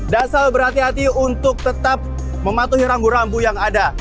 dasar berhati hati untuk tetap mematuhi rambu rambu yang ada